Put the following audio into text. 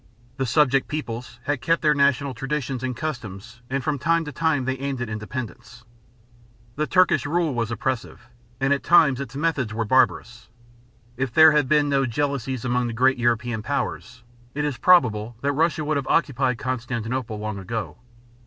The subject peoples had kept their national traditions and customs and from time to time they aimed at independence. The Turkish rule was oppressive and at times its methods were barbarous. If there had been no jealousies among the great European powers, it is probable that Russia would have occupied Constantinople long ago.